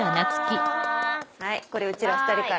はいこれうちら２人から。